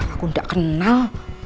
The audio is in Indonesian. aku gak kenal